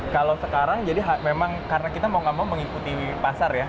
kalau sekarang karena kita mau nggak mau mengikuti pasar ya